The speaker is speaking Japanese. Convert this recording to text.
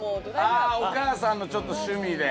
ああお母さんのちょっと趣味で。